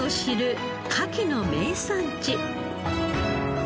カキの名産地。